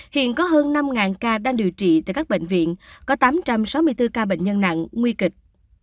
hiện có hơn năm ca đang điều trị tại các bệnh viện có tám trăm sáu mươi bốn ca bệnh nhân nặng nguy kịch